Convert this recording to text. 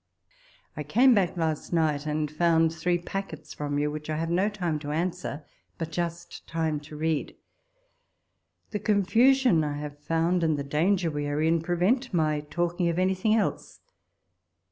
I came back last night, and found three packets from you, which I have no time 32 walpole's letters. to answer, and but just time to read. The con fusion I liave found, and the danger we are in, prevent my talking of anything else.